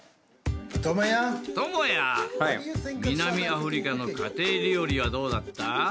トモヤ南アフリカの家庭料理はどうだった？